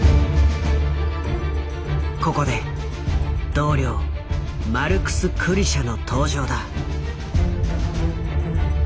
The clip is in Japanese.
ここで同僚マルクス・クリシャの登場だ。